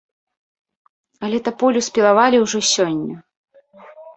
Але таполю спілавалі ўжо сёння.